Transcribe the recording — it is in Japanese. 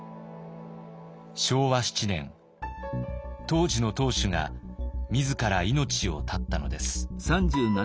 当時の当主が自ら命を絶ったのです。